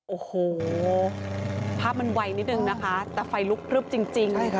โอ้โหภาพมันไวนิดนึงนะคะแต่ไฟลุกพลึบจริง